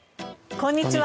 こんにちは。